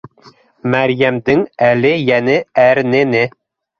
Мәрйәмдең әле йәне әрнене